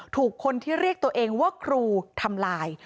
ถูกคนที่เรียกตัวเองว่าครูทำลาย